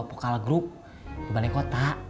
pokal grup di bandai kota